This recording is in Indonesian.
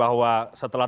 iya yang jelas